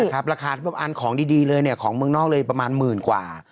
ราคาทุกอันของดีเลยเนี่ยของเมืองนอกเลยประมาณหมื่นกว่า